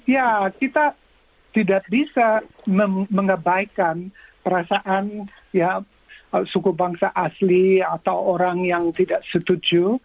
ya kita tidak bisa mengabaikan perasaan ya suku bangsa asli atau orang yang tidak setuju